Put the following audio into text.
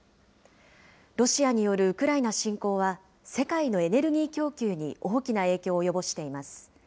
ロシアによるウクライナ侵攻は、世界のエネルギー供給に大きな影響を及ぼしています。